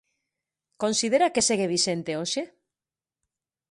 Considera que segue vixente hoxe?